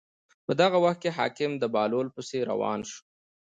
په دغه وخت کې حاکم د بهلول پسې روان شو.